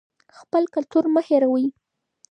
خپل کلتور مه هېروئ.